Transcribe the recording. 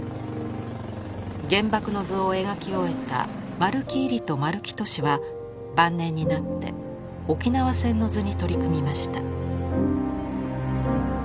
「原爆の図」を描き終えた丸木位里と丸木俊は晩年になって「沖縄戦の図」に取り組みました。